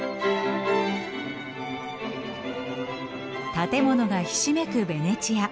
建物がひしめくベネチア。